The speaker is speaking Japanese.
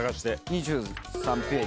２３ページ。